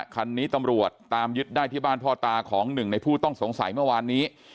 คันนี้ตำรวจตามยึดได้ที่บ้านพ่อตาของหนึ่งในผู้ต้องสงสัยเมื่อวานนี้